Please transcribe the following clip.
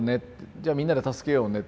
じゃあみんなで助けようねって